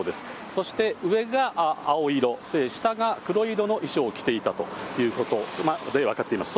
そして上が青色、下が黒色の衣装を着ていたということまで分かっています。